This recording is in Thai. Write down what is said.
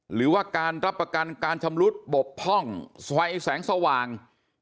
หรือว่าการรับประกันการชำรุดบกพร่องไฟแสงสว่าง